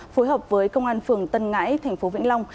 phối hợp với công an phường tân ngãi tp vĩnh long